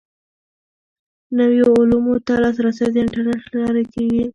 نویو علومو ته لاسرسی د انټرنیټ له لارې کیږي.